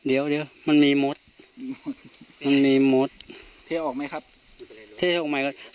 เดี๋ยวเดี๋ยวมันมีมดมันมีมดเที่ยวออกไหมครับเที่ยวออกใหม่ครับ